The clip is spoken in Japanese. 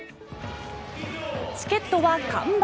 チケットは完売。